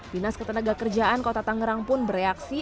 dinas ketenaga kerjaan kota tangerang pun bereaksi